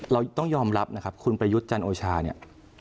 เราต้องยอมรับนะครับคุณประยุทธ์จันโอชาเนี่ย